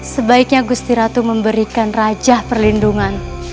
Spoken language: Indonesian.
sebaiknya gustiratu memberikan rajah perlindungan